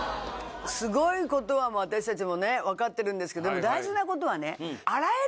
スゴいことはもう私たちも分かってるんですけど大事なことはね。